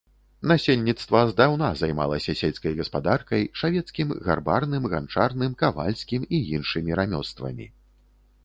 Насельніцтва здаўна займалася сельскай гаспадаркай, шавецкім, гарбарным, ганчарным, кавальскім і іншымі рамёствамі.